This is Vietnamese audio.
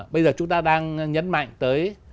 bây giờ chúng ta đang nhấn mạnh tới